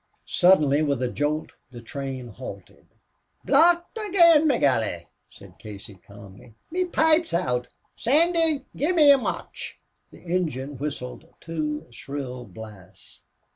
Suddenly, with a jolt, the train halted. "Blocked ag'in, b'gorra," said Casey, calmly. "Me pipe's out. Sandy, gimme a motch." The engine whistled two shrill blasts.